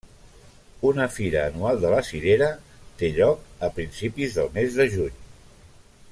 Una fira anual de la cirera té lloc a principis del mes de juny.